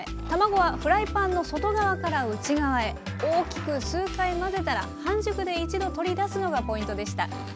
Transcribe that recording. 卵はフライパンの外側から内側へ大きく数回混ぜたら半熟で一度取り出すのがポイントでした。